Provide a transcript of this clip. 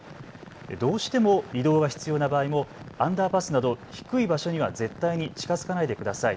どうしても移動が必要な場合もアンダーパスなど低い場所には絶対に近づかないでください。